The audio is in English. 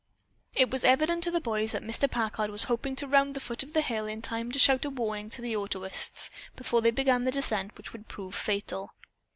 It was evident to the boys that Mr. Packard was hoping to round the foot of the hill in time to shout a warning to the autoists before they began the descent which would prove fatal.